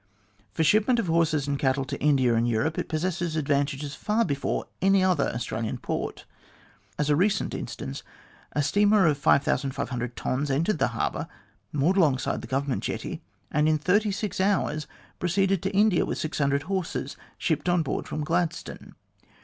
For shipment of horses and cattle to India and Europe, it possesses advantages far before any other Australian port. As a recent instance, a steamer of 5500 tons entered the harbour, moored alongside the Government jetty, and in 36 hours proceeded to India with 600 horses, shipped on board from Gladstone.